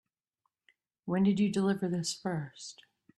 When did you deliver this first?